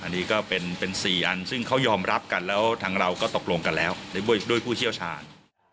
อันนี้ก็เป็น๔อันซึ่งเขายอมรับกันแล้วทางเราก็ตกลงกันแล้วด้วยผู้เชี่ยวชาญ